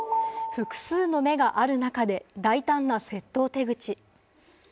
複数の目がある中で、大胆な窃盗手口。